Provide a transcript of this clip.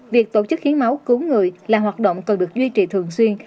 việc tổ chức hiến máu cứu người là hoạt động cần được duy trì thường xuyên